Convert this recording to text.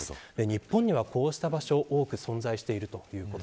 日本にはこうした場所は多く存在しています。